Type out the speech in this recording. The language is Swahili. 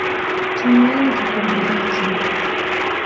Tumieni kikombe hiki.